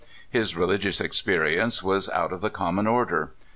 His rehgious experience was out of the common order.